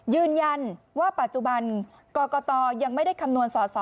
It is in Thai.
ยืนยันว่าปัจจุบันกรกตยังไม่ได้คำนวณสอสอ